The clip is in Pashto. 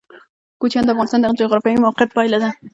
کوچیان د افغانستان د جغرافیایي موقیعت پایله ده.